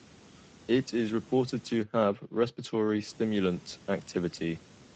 It is reported to have respiratory stimulant activity.